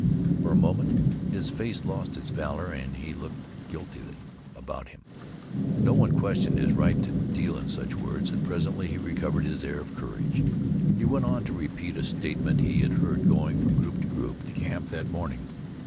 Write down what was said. For a moment his face lost its valor and he looked guiltily about him. But no one questioned his right to deal in such words, and presently he recovered his air of courage. He went on to repeat a statement he had heard going from group to group at the camp that morning.